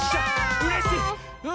うれしい！